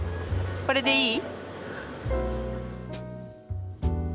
これでいい？